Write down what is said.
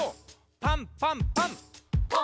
パンパンパン！